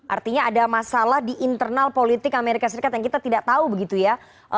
artinya ada masalah di internal politik amerika serikat yang kita tidak tahu begitu ya